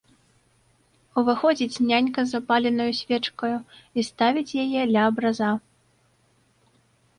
Уваходзіць нянька з запаленаю свечкаю і ставіць яе ля абраза.